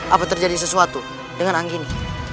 apa terjadi sesuatu dengan anggini